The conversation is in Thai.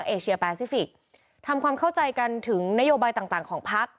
ของภาคเอเชียแปซิฟิกทำความเข้าใจกันถึงนโยบายต่างของภาค